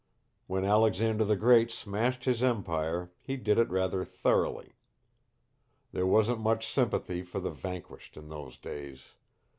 When Alexander the Great smashed his empire he did it rather thoroughly. There wasn't much sympathy for the vanquished in those days.